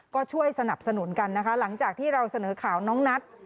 ก็ช่วยสนับสนุนกันนะคะหลังจากที่เราเสนอข่าวน้องนัท